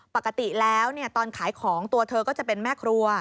ปกติแล้วตอนขายของตัวเธอก็จะเป็นแม่ครัว